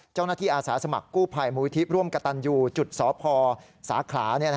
เจ้าหน้าที่อาศาสมัครกู้ภัยมูธิร่วมกะตันอยู่จุดสพสาขรา